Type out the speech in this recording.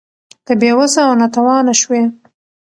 که بې وسه او ناتوانه شوې